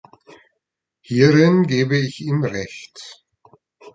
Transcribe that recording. Hierin gebe ich ihm Recht.